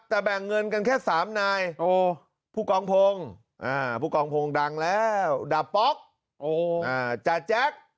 แต่แบ่งเงินกันแค่๓นายผู้กองพงศ์ผู้กองพงศ์ดังแล้วดาบป๊อกจาแจ๊ก